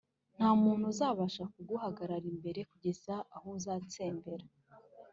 Nta muntu uzabasha kuguhagarara imbere kugeza aho uzabatsembera